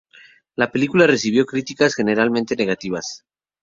La película recibió críticas generalmente negativas.